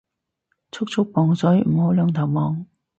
速速磅水唔好兩頭望